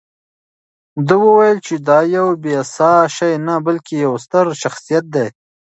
ده وویل چې دا یو بې ساه شی نه، بلکې یو ستر شخصیت دی.